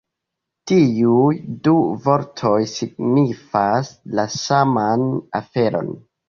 Tiuj du vortoj signifas la saman aferon!